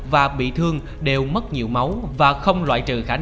và bị thương đều mất nhiều máu và không loại trị nguyễn thị phượng